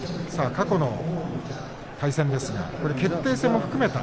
過去の対戦ですが決定戦も含めた。